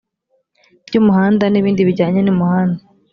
by umuhanda n ibindi bijyanye n umuhanda